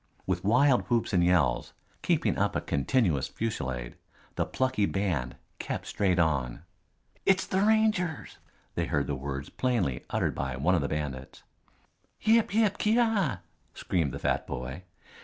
With wild whoops and yells, keeping up a continuous fusillade, the plucky band kept straight on. "It's the Rangers!" They heard the words plainly, uttered by one of the bandits. "Yip! Yip! Kyeeaw!" screamed the fat boy.